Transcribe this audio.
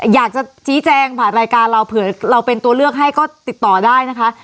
อยากจะชี้แจงผ่านรายการเราเผื่อเราเป็นตัวเลือกให้ก็ติดต่อได้นะคะ